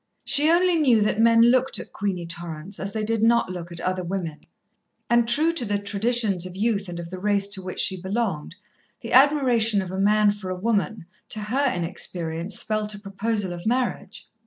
She only knew that men looked at Queenie Torrance as they did not look at other women, and, true to the traditions of youth and of the race to which she belonged, the admiration of a man for a woman, to her inexperience spelt a proposal of marriage.